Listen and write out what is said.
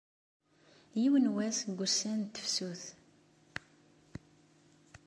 Yiwen n wass deg wussan n tefsut.